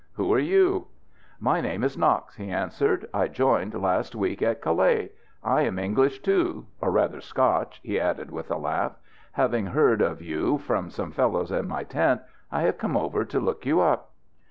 "Who are you?" "My name is Knox," he answered; "I joined last week at Calais. I am English too or rather Scotch," he added with a laugh. "Having heard of you from some fellows in my tent, I have come over to look you up."